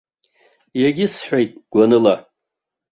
Иагьысҳәеит гәаныла.